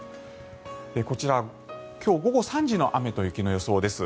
こちら、今日午後３時の雨と雪の予想です。